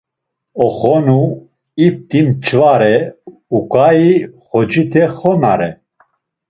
Oxonu; ip̌ti mç̌vare, uǩai xocite xonare.